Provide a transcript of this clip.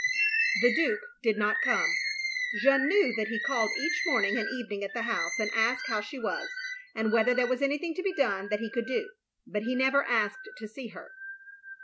The Dtike did not come. Jeanne knew that he call^ each morning and evening at the house, and asked how she was, and whether there were anything to be done that he could do— but he never asked to see her.